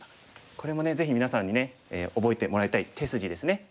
これもぜひみなさんにね覚えてもらいたい手筋ですね。